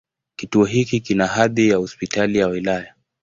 Kituo hiki kina hadhi ya Hospitali ya wilaya.